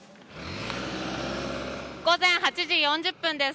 午前８時４０分です。